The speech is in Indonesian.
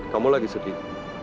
kamu lagi sedih